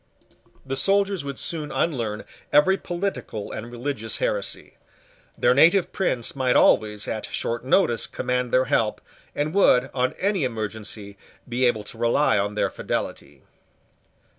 The soldiers would soon unlearn every political and religious heresy. Their native prince might always, at short notice, command their help, and would, on any emergency, be able to rely on their fidelity.